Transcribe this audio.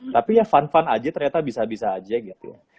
tapi ya fun fun aja ternyata bisa bisa aja gitu